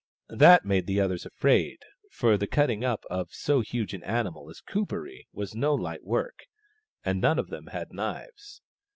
That made the others afraid, for the cutting up of so huge an animal as Kuperee was no light work, and none of them had knives.